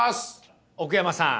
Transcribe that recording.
奥山さん